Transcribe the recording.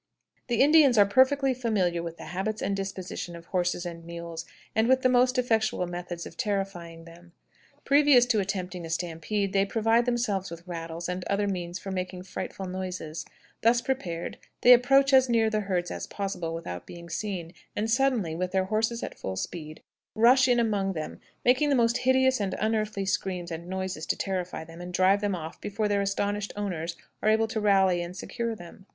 The Indians are perfectly familiar with the habits and disposition of horses and mules, and with the most effectual methods of terrifying them. Previous to attempting a stampede, they provide themselves with rattles and other means for making frightful noises; thus prepared, they approach as near the herds as possible without being seen, and suddenly, with their horses at full speed, rush in among them, making the most hideous and unearthly screams and noises to terrify them, and drive them off before their astonished owners are able to rally and secure them.